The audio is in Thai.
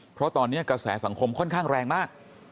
เพราะตอนนี้กระแสสังคมค่อนข้างแรงมาก